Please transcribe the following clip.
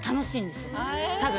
多分。